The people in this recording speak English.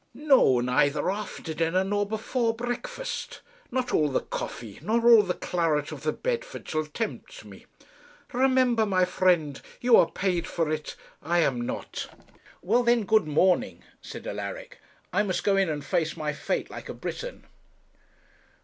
'No; neither after dinner, nor before breakfast; not all the coffee, nor all the claret of the Bedford shall tempt me. Remember, my friend, you are paid for it; I am not.' 'Well, then, good morning,' said Alaric. 'I must go in and face my fate, like a Briton.'